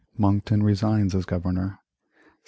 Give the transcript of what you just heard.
Monckton resigns as Governor 1765.